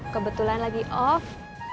kebetulan lagi off